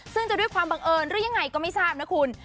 ซึ่งจะด้วยความบังเอิญหรือยังไงก็ไม่ทราบนะคุณ